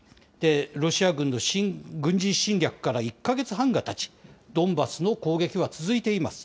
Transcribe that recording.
ロシア軍の軍事侵略から１か月半がたち、ドンバスの攻撃は続いています。